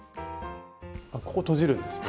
ここ閉じるんですね。